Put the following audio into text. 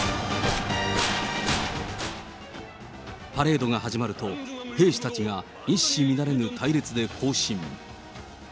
パレードが始まると、兵士たちが一糸乱れぬ隊列で行進。